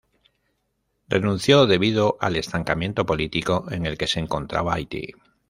Renunció debido al estancamiento político en el que se encontraba Haití.